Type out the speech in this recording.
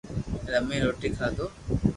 رمئين روٽي کاتو